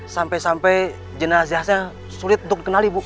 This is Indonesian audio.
sampai sampai jenazah saya sulit untuk dikenali bu